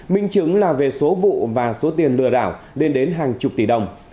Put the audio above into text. minh chứng là về số vụ và số tiền lừa đảo lên đến hàng chục tỷ đồng